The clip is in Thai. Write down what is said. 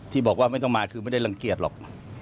ที่บอกว่าไม่ต้องมาคือไม่ได้รังเกียจหรอก